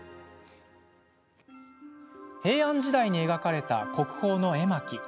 平安時代に描かれた国宝の絵巻。